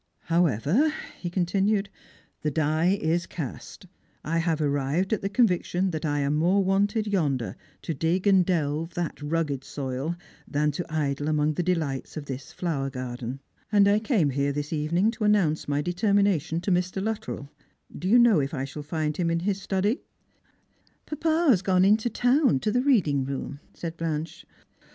" However," he continued, "the die is cast. I have arrived at the conviction that I am more wanted yonder, to dig and dtlve that rugged soil, than to idle among the delights of this flower garden. And I came here this evening to announce my deter mination to Mr. Luttrell. Do you know if I shall find him in his study P "" Papa has gone into the town, to the reading room," said Blanche.